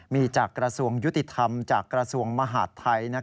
มีจากกระทรวงยุติธรรมจากกระทรวงมหาดไทย